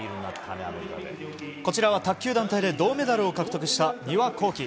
こちらは卓球団体で銅メダルを獲得した丹羽孝希。